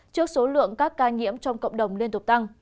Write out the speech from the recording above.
trước số lượng các ca nhiễm trong cộng đồng liên tục tăng